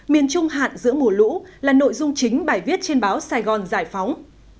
miền trung hạn giữa mùa lũ là nội dung chính bài viết trên báo sài gòn giải phóng